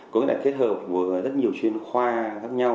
có nghĩa là kết hợp với rất nhiều chuyên khoa khác nhau